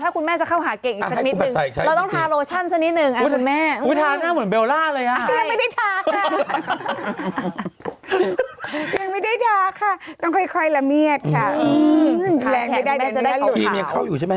คู่มีใครที่ให้แครกไม่ได้แต่จะได้หนูอยู่ใช่ไหม